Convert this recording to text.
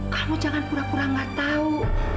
kamu jangan pura pura gak tahu